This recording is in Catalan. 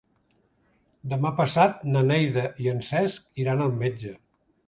Demà passat na Neida i en Cesc iran al metge.